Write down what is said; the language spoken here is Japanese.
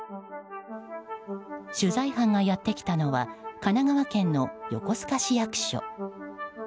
取材班がやってきたのは神奈川県の横須賀市役所。